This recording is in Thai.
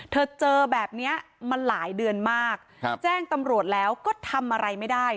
เจอแบบนี้มาหลายเดือนมากแจ้งตำรวจแล้วก็ทำอะไรไม่ได้